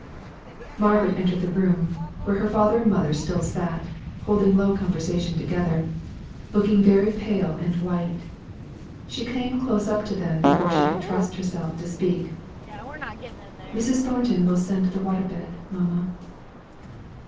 Margaret entered the room (where her father and mother still sat, holding low conversation together), looking very pale and white. She came close up to them before she could trust herself to speak. "Mrs. Thornton will send the water bed, mamma."